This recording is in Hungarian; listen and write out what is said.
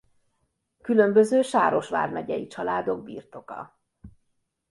Különböző Sáros vármegyei családok birtoka.